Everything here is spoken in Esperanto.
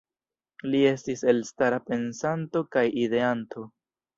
Li estis elstara pensanto kaj ideanto.